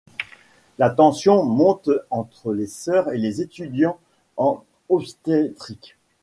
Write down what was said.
La tension monte entre les sœurs et les étudiants en obstétrique.